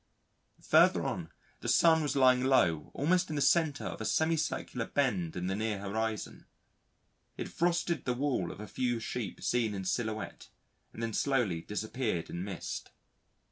Further on, the sun was lying low almost in the centre of a semi circular bend in the near horizon. It frosted the wool of a few sheep seen in silhouette, and then slowly disappeared in mist.